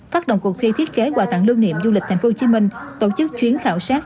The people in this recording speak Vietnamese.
phát động cuộc thi thiết kế quà tặng lưu niệm du lịch tp hcm tổ chức chuyến khảo sát